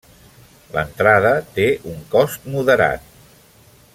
L'entrada té un cost moderat.